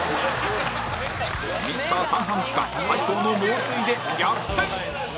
ミスター三半規管斉藤の猛追で逆転！